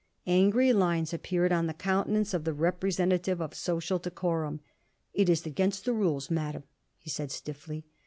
Angry lines appeared on the countenance of the representative of social decorum. "It is against the rules, Madam," he said stiffly.